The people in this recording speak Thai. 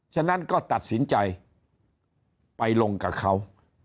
ฉะนั้นก็ตัดสินใจไปลงกับเขา